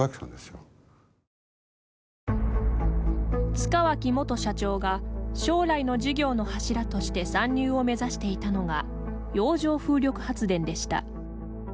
塚脇元社長が将来の事業の柱として参入を目指していたのが洋上風力発電でした。